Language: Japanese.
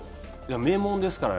名門ですからね。